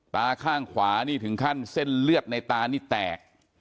ตาข้างขวานี่ถึงขั้นเส้นเลือดในตานี่แตก